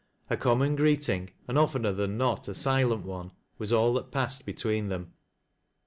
A common greeting, and oftener than not, a silent one, was all that passed between them.